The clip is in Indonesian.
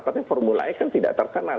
tapi formulanya kan tidak terkenal